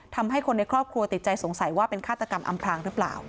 ทำให้คนในครอบครัวติดใจสงสัยว่าเป็นฆาตกรรมอำพลางหรือเปล่า